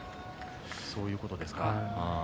そういうことですか。